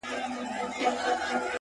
o موږه سپارلي دي د ښكلو ولېمو ته زړونه،